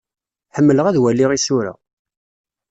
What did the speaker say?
Ḥemmleɣ ad waliɣ isura.